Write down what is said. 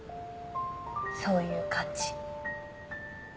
そういう感じ。